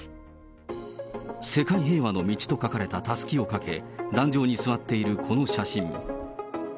世界平和への道と書かれたたすきをかけ、壇上に座っているこの写真。